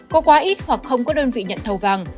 có quá ít hoặc không có đơn vị nhận thầu vàng